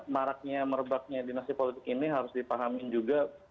maraknya merebaknya dinasti politik ini harus dipahamin juga